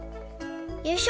よいしょ！